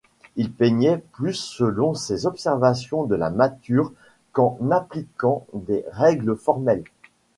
Il peignait plus selon ses observations de la nature qu’en appliquant des règles formelles.